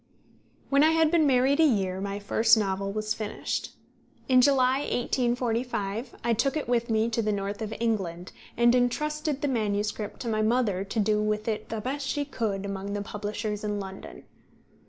When I had been married a year my first novel was finished. In July, 1845, I took it with me to the north of England, and intrusted the MS. to my mother to do with it the best she could among the publishers in London.